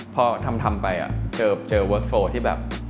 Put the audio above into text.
พอทำไปเจอเวิร์คโลที่แบบ